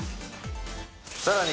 さらに